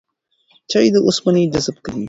چای د اوسپنې جذب کموي.